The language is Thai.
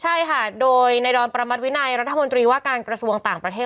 ใช่ค่ะโดยในดอนประมัติวินัยรัฐมนตรีว่าการกระทรวงต่างประเทศ